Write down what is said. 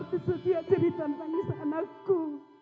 dan menerima cerita bangsa anakku